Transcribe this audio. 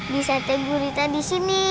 bisa tete gurita disini